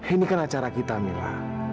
ini kan acara kita mila